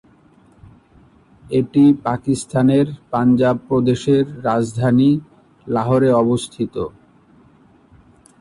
এটি পাকিস্তানের পাঞ্জাব প্রদেশের রাজধানী লাহোরে অবস্থিত।